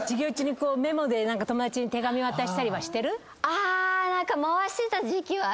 あ！何か。